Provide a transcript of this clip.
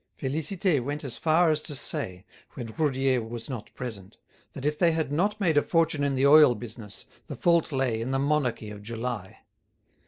Félicité went as far as to say, when Roudier was not present, that if they had not made a fortune in the oil business the fault lay in the monarchy of July.